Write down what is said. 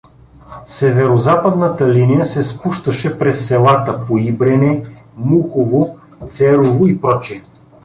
Северозападната линия се спущаше през селата Поибрене, Мухово, Церово и пр.